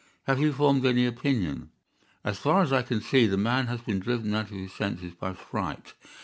"Have you formed any opinion?" "As far as I can see, the man has been driven out of his senses by fright.